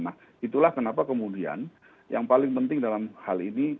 nah itulah kenapa kemudian yang paling penting dalam hal ini